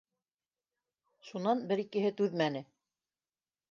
Шунан бер-икеһе түҙмәне